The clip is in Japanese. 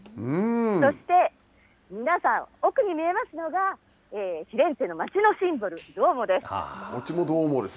そして皆さん、奥に見えますのが、フィレンツェの街のシンボル、ドゥオモです。